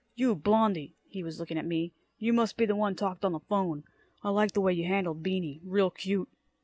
"You, Blondie," he was looking at me, "you must be the one talked on the 'phone. I liked the way you handled Beany. Real cute."